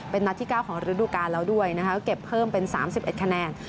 เป็นนาทีเก้าของฤดูกาแล้วด้วยนะคะเก็บเพิ่มเป็นสามสิบเอ็ดคะแนน